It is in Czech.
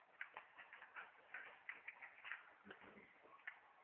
Tato prohlášení, jak víme, zamlčují krvavé potlačení odporu.